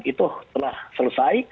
itu telah selesai